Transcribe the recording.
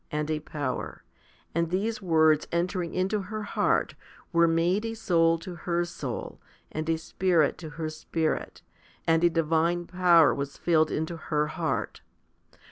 and a power; and these words entering into her heart were made a soul to her soul and a spirit to her spirit, and a divine power was filled into her heart.